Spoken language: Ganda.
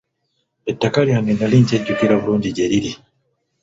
Ettaka lyange nnali nkyajjukira bulungi gye liri.